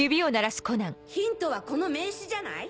ヒントはこの名刺じゃない？